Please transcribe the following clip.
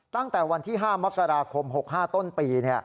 ตั้งแต่วันที่๕มกราคม๖๕ต้นปี